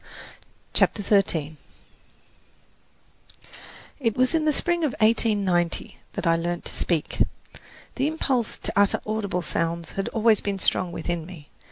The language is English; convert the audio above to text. CHAPTER XIII It was in the spring of 1890 that I learned to speak. The impulse to utter audible sounds had always been strong within me.